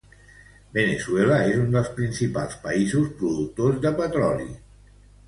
Veneçuela és un dels principals països productors de petroli.